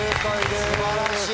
素晴らしい。